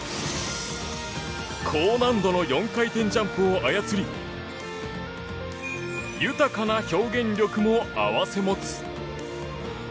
高難度の４回転ジャンプを操り豊かな表現力も併せ持つ。